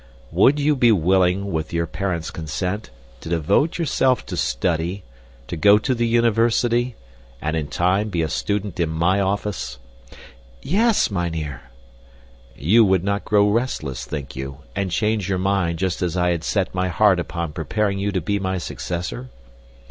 "Would you be willing, with your parents' consent, to devote yourself to study, to go to the university, and, in time, be a student in my office?" "Yes, mynheer." "You would not grow restless, think you, and change your mind just as I had set my heart upon preparing you to be my successor?"